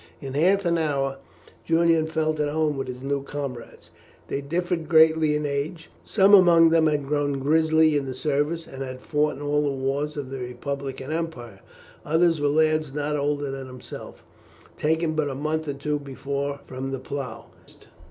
In half an hour Julian felt at home with his new comrades. They differed greatly in age: some among them had grown grizzly in the service, and had fought in all the wars of the Republic and Empire; others were lads not older than himself, taken but a month or two before from the plough.